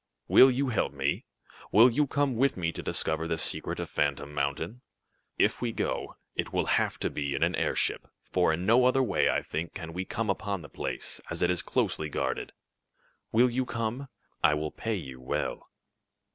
Will you help me? Will you come with me to discover the secret of Phantom Mountain? If we go, it will have to be in an airship, for in no other way, I think, can we come upon the place, as it is closely guarded. Will you come? I will pay you well."